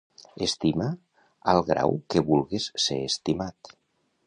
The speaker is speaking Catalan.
Estima al grau que vulgues ser estimat.